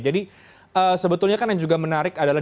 jadi sebetulnya kan yang juga menarik adalah